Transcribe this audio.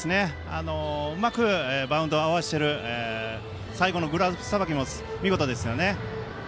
うまくバウンドを合わせて最後のグラブさばきも見事ですよね。